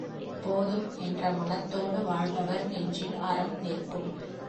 போதும் என்ற மனத்தோடு வாழ்பவர் நெஞ்சில் அறம் நிற்கும்.